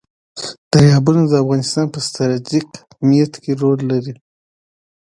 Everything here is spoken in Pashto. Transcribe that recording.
دریابونه د افغانستان په ستراتیژیک اهمیت کې رول لري.